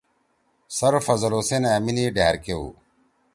سر فضل حسین أمیِنی ڈھأر کے ہُو